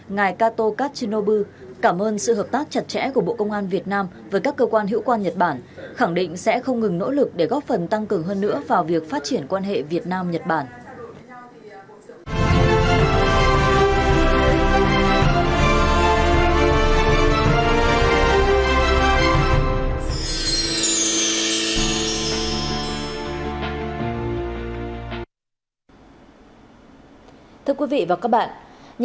ngài kato katsunobu cảm ơn sự hợp tác chặt chẽ của bộ công an việt nam với các cơ quan hữu quan nhật bản khẳng định sẽ không ngừng nỗ lực để góp phần tăng cường hơn nữa vào việc phát triển quan hệ việt nam nhật bản